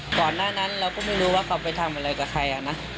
ก่อนหน้านั้นเราก็ไม่รู้ว่าเขาไปทำอะไรกับใครนะ